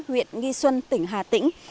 huyện nghi xuân tỉnh hà tĩnh